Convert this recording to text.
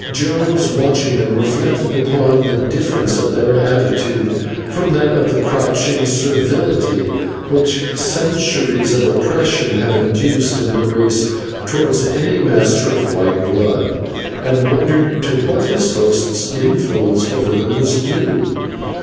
Jones, watching them, reflected upon the difference of their attitude from that of the crouching servility which centuries of oppression have induced in their race towards any master of white blood, and wondered to what his host's influence over them was due.